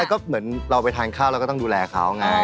ก็เหมือนเราไปทานข้าวเราก็ต้องดูแลเขาไง